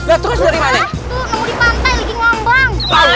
tuh nemu di pantai lagi ngombang